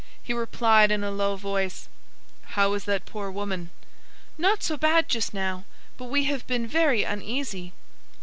He replied in a low voice:— "How is that poor woman?" "Not so bad just now; but we have been very uneasy."